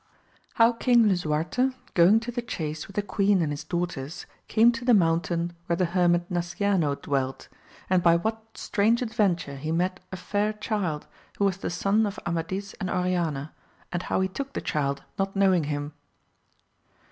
— How King Lisuarte going to the chace with the Queen aad his daughters came to the mountain where the hermit Nasciano dwelt, aid by what strange adventure he met a fair Child, who was the son of Amadis and Oriana, and how he took the child, not knowing him.